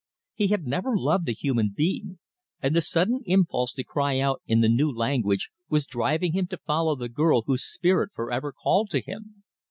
He had never loved a human being, and the sudden impulse to cry out in the new language was driving him to follow the girl whose spirit for ever called to him.